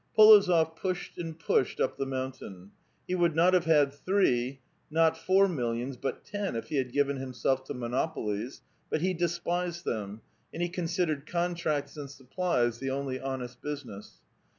P61ozof pushed and pushed up the mountain ; he would have had not three, not four millions, but ten, if he had given himself to monopolies ; but he despised them, and he con sidered contracts and supplies the only honest business.